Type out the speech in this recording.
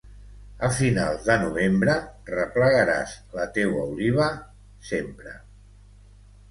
A finals de novembre, replegaràs la teua oliva sempre.